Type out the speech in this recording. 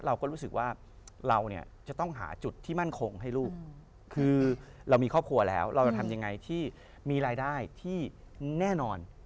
เราก็รู้สึกว่าเราเนี่ยจะต้องหาจุดที่มั่นคงให้ลูกคือเรามีครอบครัวแล้วเราจะทำยังไงที่มีรายได้ที่แน่นอน